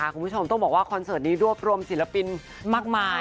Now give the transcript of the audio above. คุณผู้ชมต้องบอกว่าคอนเสิร์ตนี้รวบรวมศิลปินมากมาย